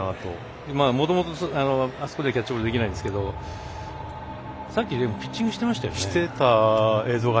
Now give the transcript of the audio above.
もともとあそこでキャッチボールできないんですがさっきピッチングしてましたよね。